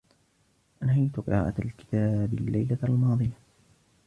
أنهيت قراءة الكتاب الليلة الماضية.